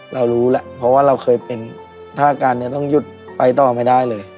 เรารู้แหละเพราะว่าเราเคยเป็นท่าการเนี่ยต้องหยุดไปต่อไม่ได้เลย